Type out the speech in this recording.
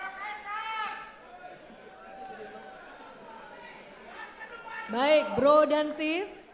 kesediaannya karena proses ini mari kita hadapi bersama secara khidmat